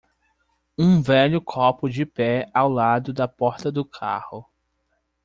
Um velho copo de pé ao lado da porta do carro